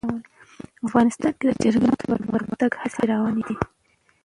افغانستان کې د چرګانو د پرمختګ هڅې روانې دي.